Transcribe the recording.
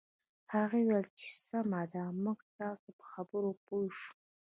هغې وویل چې سمه ده موږ ستاسو په خبره پوه شوو